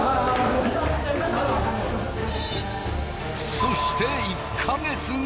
そして１か月後。